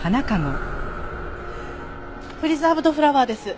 プリザーブドフラワーです。